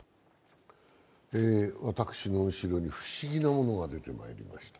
私の後ろに不思議なものが出てまいりました。